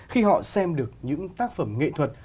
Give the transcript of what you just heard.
khi họ xem được những tác phẩm nghệ thuật